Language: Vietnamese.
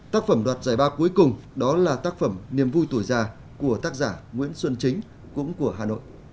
tác phẩm đoạt giải ba cuối cùng đó là tác phẩm niềm vui tuổi già của tác giả nguyễn xuân chính cũng của hà nội